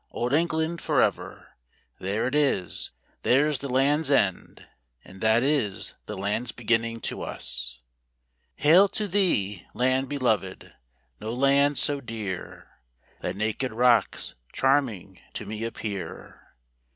Old England for ever. There it is. There's the Land's End, and that is the land's beginning to us. Hail to thee, land beloved ! no land so dear; Thy naked rocks charming to me appear.